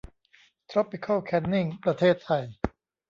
ทรอปิคอลแคนนิ่ง ประเทศไทย